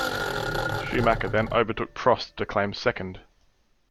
Schumacher then overtook Prost to claim second.